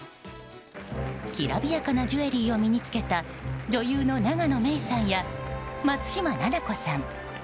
きらびやかなジュエリーを身に付けた女優の永野芽郁さんや松嶋菜々子さん。